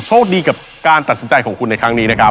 โชคดีกับการตัดสินใจของคุณในครั้งนี้นะครับ